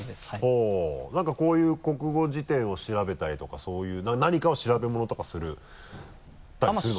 ほぉ何かこういう国語辞典を調べたりとかそういう何かを調べ物とかしたりするの？